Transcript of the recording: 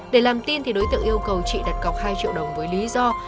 để làm tin thì đối tượng yêu cầu chị đặt cọc hai triệu đồng với lý do